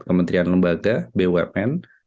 kementerian lembaga bumn